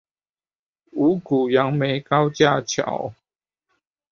五股楊梅高架橋